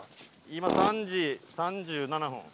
今３時３７分。